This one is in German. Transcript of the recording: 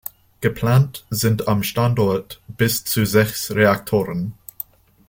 Geplant sind am Standort bis zu sechs Reaktoren.